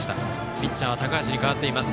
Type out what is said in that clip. ピッチャーは高橋に代わっています。